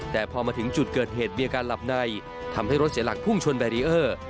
แต่พอมาถึงจุดเกิดเหตุมีอาการหลับในทำให้รถเสียหลักพุ่งชนแบรีเออร์